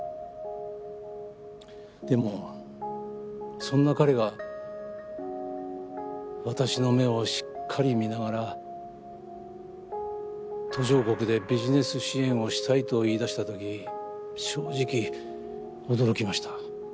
でもそんな彼が私の目をしっかり見ながら途上国でビジネス支援をしたいと言い出した時正直驚きました。